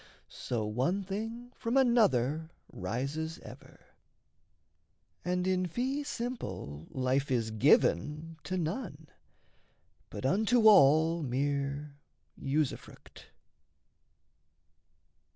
So one thing from another rises ever; And in fee simple life is given to none, But unto all mere usufruct.